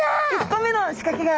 １個目の仕掛けが。